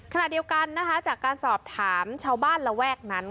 ขณะเดียวกันนะคะจากการสอบถามชาวบ้านระแวกนั้น